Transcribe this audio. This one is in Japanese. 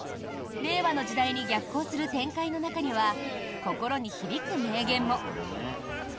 令和の時代に逆行する展開の中には心に響く名言も。